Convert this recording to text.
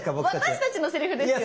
私たちのセリフですよね。